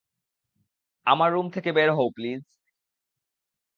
আমার রুম থেকে বের হও, প্লিজ।